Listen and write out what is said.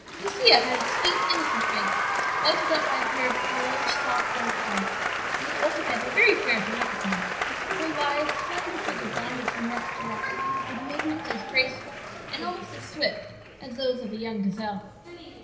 "Lucia had a sweet, innocent face, lighted up by a pair of large, soft, dark eyes, and was altogether very fair to look upon. Her lithe, slender figure bounded from rock to rock with movements as graceful and almost as swift as those of a young gazelle.